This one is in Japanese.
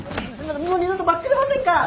もう二度とばっくれませんから！